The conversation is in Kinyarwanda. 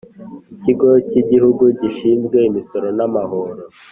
ikigo kigihugu gishinzwe imisoro n,amahoro